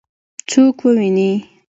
څوک وویني؟